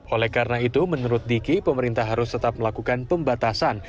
oleh karena itu menurut diki pemerintah harus tetap melakukan pembatasan